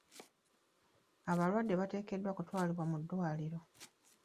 Abalwadde bateekeddwa okutwalibwa mu ddwaliro.